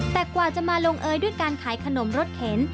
แต่กว่าจะมาลงเอยด้วยการขายขนมรสเข็น